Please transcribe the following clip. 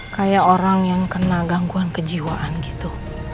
kayak orang yang kena gangguan kejiwaan gitu